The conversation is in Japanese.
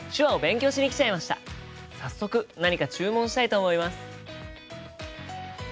早速何か注文したいと思います。